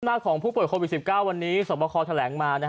หน้าของผู้ป่วยโควิด๑๙วันนี้สวัสดีครับทะแหลงมา